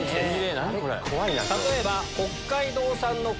例えば。